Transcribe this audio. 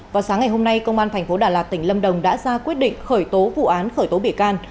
vào sáng ngày hôm nay công an tp đà lạt tỉnh lâm đồng đã ra quyết định khởi tố vụ án khởi tố bể can